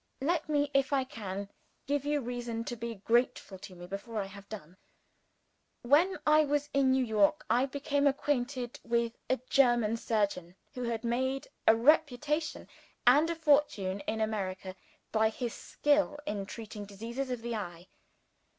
Let me, if I can, give you reason to be grateful to me, before I have done. When I was in New York, I became acquainted with a German surgeon, who had made a reputation and a fortune in America by his skill in treating diseases of the eye.